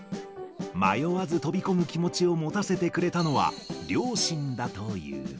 迷わず飛び込む気持ちを持たせてくれたのは、両親だという。